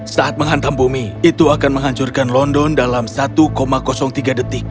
saat menghantam bumi itu akan menghancurkan london dalam satu tiga detik